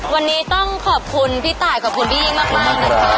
วันนี้ต้องขอบคุณพี่ต่ายขอบคุณบีมากนะครับ